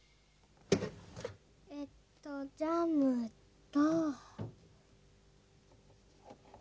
えっとジャムと。